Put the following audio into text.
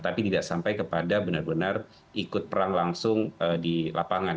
tapi tidak sampai kepada benar benar ikut perang langsung di lapangan